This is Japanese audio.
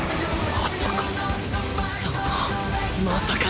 まさか。